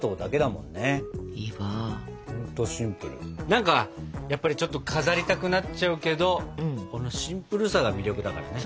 何かやっぱりちょっと飾りたくなっちゃうけどこのシンプルさが魅力だからね。